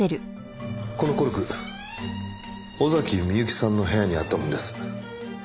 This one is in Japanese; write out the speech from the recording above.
このコルク尾崎美由紀さんの部屋にあったものです。